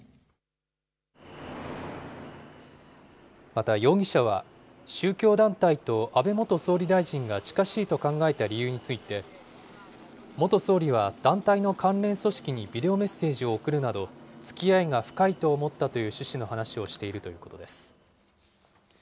また容疑者は、宗教団体と安倍元総理大臣が近しいと考えた理由について、元総理は団体の関連組織にビデオメッセージを送るなど、つきあいが深いと思ったという趣旨の話をしているということです。